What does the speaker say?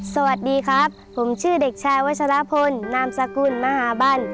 สวัสดีครับผมชื่อเด็กชายวัชรพลนามสกุลมหาบัน